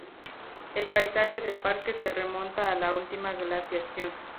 El paisaje del parque se remonta a la última glaciación.